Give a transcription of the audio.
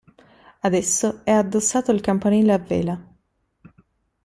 Ad esso è addossato il campanile a vela.